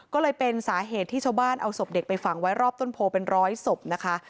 ก็เลยเป็นสาเหตุที่ชาวบ้านเอาศพเด็กไปฝังไว้รอบต้นโพเป็นร้อยศพนะคะ